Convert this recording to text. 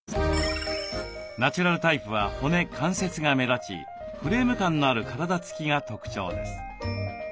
ナチュラルタイプは骨関節が目立ちフレーム感のある体つきが特徴です。